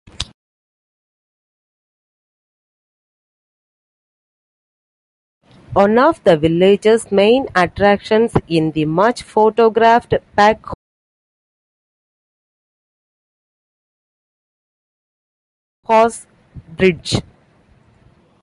One of the village's main attractions is the much-photographed packhorse bridge.